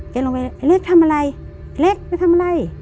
เกะลงไปเล็กทำอะไร